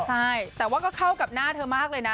ใช่แต่ว่าก็เข้ากับหน้าเธอมากเลยนะ